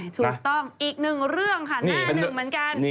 ถูกต้องอีกหนึ่งเรื่องค่ะหน้าหนึ่งเหมือนกัน